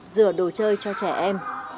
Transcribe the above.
rửa đồ chơi cho trẻ em